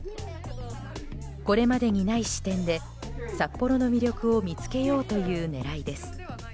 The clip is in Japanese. これまでにない視点で札幌の魅力を見つけようという狙いです。